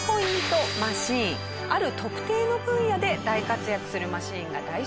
ある特定の分野で大活躍するマシンが大集合です。